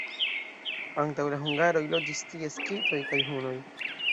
Antaŭ la hungaroj loĝis tie skitoj kaj hunoj.